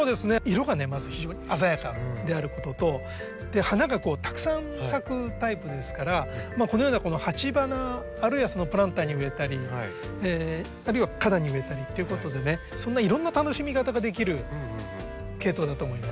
色がねまず非常に鮮やかであることと花がたくさん咲くタイプですからこのようなこの鉢花あるいはプランターに植えたりあるいは花壇に植えたりっていうことでねそんないろんな楽しみ方ができるケイトウだと思います。